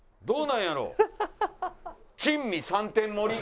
どうなんやろ？